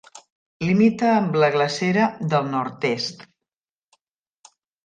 Limita amb la glacera del nord-est.